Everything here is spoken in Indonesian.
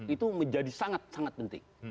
itu menjadi sangat sangat penting